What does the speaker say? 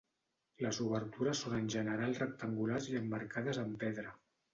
Les obertures són en general rectangulars i emmarcades amb pedra.